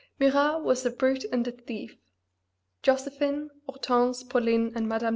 Murat was "a brute and a thief"; Josephine, Hortense, Pauline, and Mme.